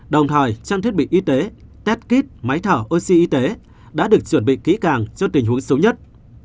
đồng thời trang thiết bị y tế test kit máy thở oxy y tế đã được chuẩn bị kỹ càng cho tình huống xấu nhất